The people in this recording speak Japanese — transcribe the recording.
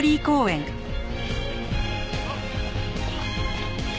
あっ！